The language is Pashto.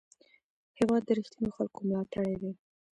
هېواد د رښتینو خلکو ملاتړی دی.